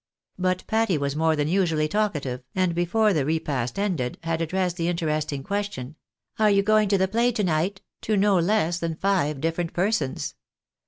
But Patty was more tha,n usually talkative, and before the repast ended had addressed the interesting question, " Are you going to the play to night? " to no less than five different persons.